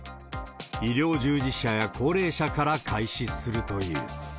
医療従事者や高齢者から開始するという。